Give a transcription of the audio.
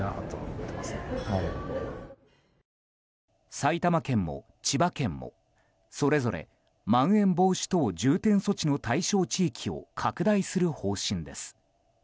埼玉県も千葉県もそれぞれまん延防止等重点措置の対象地域を拡大する方針です。